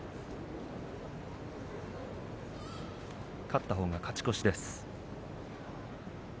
勝ったほうが勝ち越しです。